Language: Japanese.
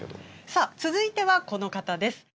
さあ続いてはこの方です。